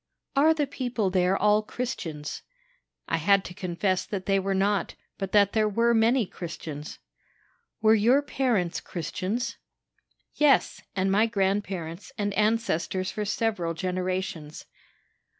"'Are the people there all Christians?' "I had to confess that they were not, but that there were many Christians. "'Were your parents Christians?' "'Yes, and my grandparents, and ancestors for several generations.'